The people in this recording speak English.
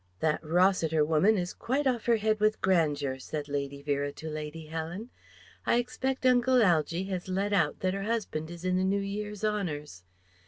"That Rossiter woman is quite off her head with grandeur," said Lady Vera to Lady Helen. "I expect Uncle Algy has let out that her husband is in the New Year's honours."